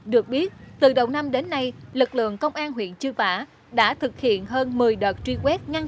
được biết từ đầu năm đến nay lực lượng công an huyện chư pả đã thực hiện hơn một mươi đợt truy quét ngăn